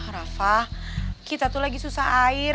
arafah kita tuh lagi susah air